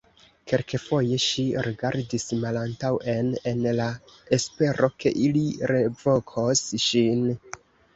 Kelkfoje ŝi rigardis malantaŭen en la espero ke ili revokos ŝin.